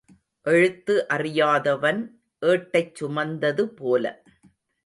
எழுத்து அறியாதவன் ஏட்டைச் சுமந்தது போல.